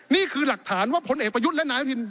นี่คือหลักฐานว่าผลเอกประยุทธ์และนายอนุทิน